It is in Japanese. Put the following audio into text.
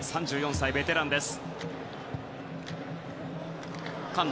３４歳のベテランです。